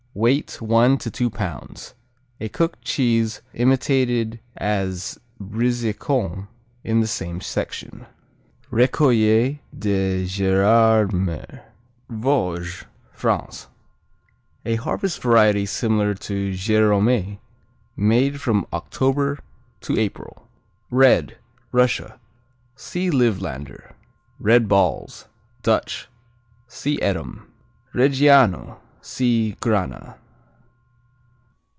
Weight one to two pounds. A cooked cheese imitated as Brizecon in the same section. Récollet de Gérardmer Vosges, France A harvest variety similar to Géromé, made from October to April Red Russia see Livlander. Red Balls Dutch see Edam. Reggiano see Grana.